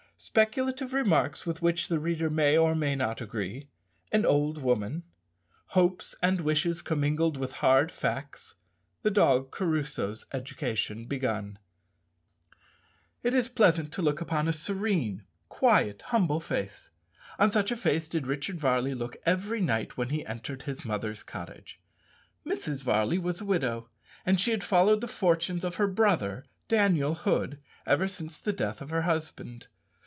_Speculative remarks with which the reader may or may not agree An old woman Hopes and wishes commingled with hard facts The dog Crusoe's education begun_. It is pleasant to look upon a serene, quiet, humble face. On such a face did Richard Varley look every night when he entered his mother's cottage. Mrs. Varley was a widow, and she had followed the fortunes of her brother, Daniel Hood, ever since the death of her husband.